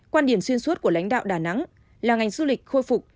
quan điểm xuyên suốt của lãnh đạo đà nẵng là ngành du lịch khôi phục